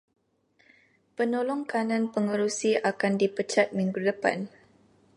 Penolong kanan pengerusi akan dipecat minggu depan.